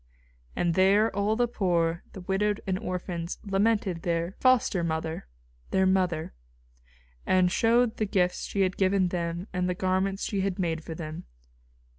And there all the poor, the widowed and orphans lamented "their foster mother," "their mother," and showed the gifts she had given them and the garments she had made for them.